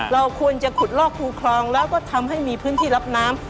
เราควรจะขุดลอกคูคลองแล้วก็ทำให้มีพื้นที่รับน้ำ